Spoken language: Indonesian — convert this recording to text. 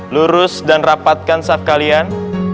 lurus dan rapatkan staff kalian